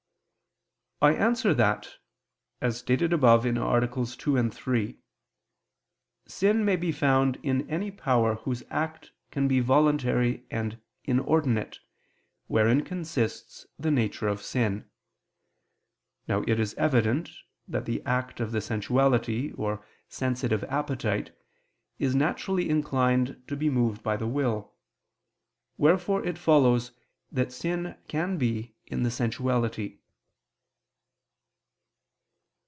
I answer that, As stated above (AA. 2, 3), sin may be found in any power whose act can be voluntary and inordinate, wherein consists the nature of sin. Now it is evident that the act of the sensuality, or sensitive appetite, is naturally inclined to be moved by the will. Wherefore it follows that sin can be in the sensuality.